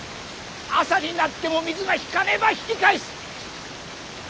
朝になっても水が引かねば引き返す。